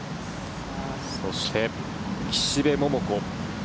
そして、岸部桃子。